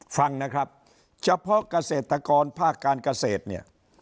ฟังนะครับเฉพาะเกษตรกรภาคการเกษตรเนี่ย